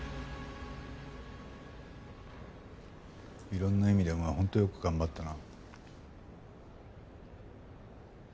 いろんな意味でお前は本当よく頑張ったな。